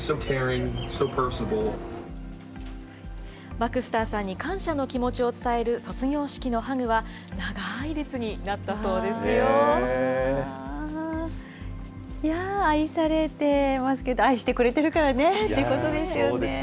バクスターさんに感謝の気持ちを伝える卒業式のハグは、いやー、愛されてますけど、愛してくれてるからねってことですよね。